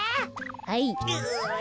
はい。